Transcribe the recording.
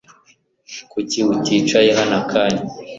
Kuki uticaye hano akanya